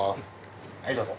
はいどうぞ。